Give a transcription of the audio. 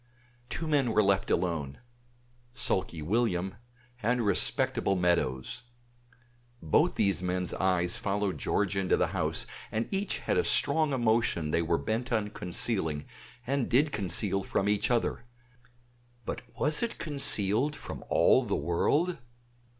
Two men were left alone; sulky William and respectable Meadows. Both these men's eyes followed George into the house, and each had a strong emotion they were bent on concealing, and did conceal from each other; but was it concealed from all the world?